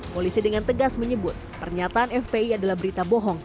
polisi dengan tegas menyebut pernyataan fpi adalah berita bohong